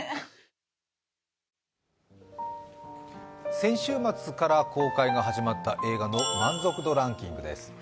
先週末から公開が始まった映画の満足度ランキングです。